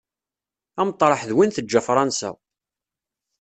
Ameṭreḥ d win teǧǧa Fransa.